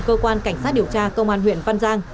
cơ quan cảnh sát điều tra công an huyện văn giang